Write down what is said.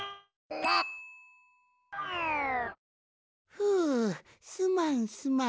ふうすまんすまん。